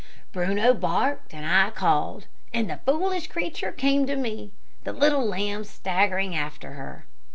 Bruno barked and I called, and the foolish creature came to me, the little lamb staggering after her.